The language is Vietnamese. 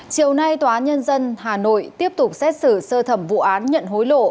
chiều nay tòa nhân dân hà nội tiếp tục xét xử sơ thẩm vụ án nhận hối lộ